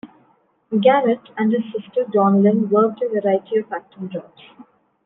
Garrett and his sister Dawn Lyn worked a variety of acting jobs.